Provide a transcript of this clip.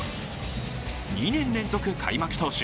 ２年連続開幕投手